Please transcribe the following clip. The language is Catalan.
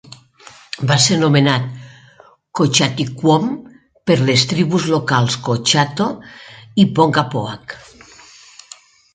Va ser anomenat Cochaticquom per les tribus locals Cochato i Ponkapoag.